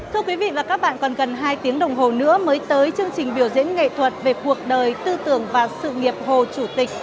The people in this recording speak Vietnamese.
thưa quý vị và các bạn còn gần hai tiếng đồng hồ nữa mới tới chương trình biểu diễn nghệ thuật về cuộc đời tư tưởng và sự nghiệp hồ chủ tịch